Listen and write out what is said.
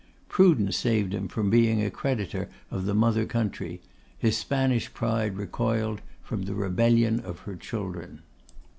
Prudence saved him from being a creditor of the mother country; his Spanish pride recoiled from the rebellion of her children.